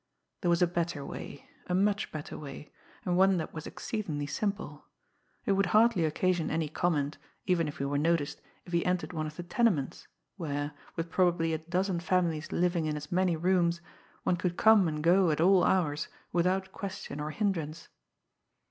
There was a better way a much better way, and one that was exceedingly simple. It would hardly occasion any comment, even if he were noticed, if he entered one of the tenements, where, with probably a dozen families living in as many rooms, one could come and go at all hours without question or hindrance.